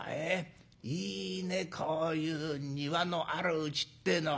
いいねこういう庭のあるうちってえのは。